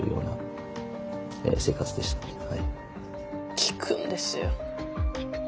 効くんですよ。